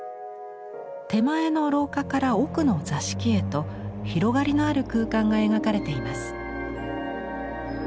手前の廊下から奥の座敷へと広がりのある空間が描かれています。